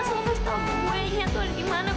selalu mesti tau gue yang nyatuin gimana